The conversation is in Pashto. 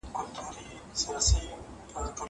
زه به اوږده موده سندري اورېدلي وم.